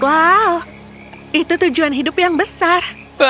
wow itu tujuan hidup yang besar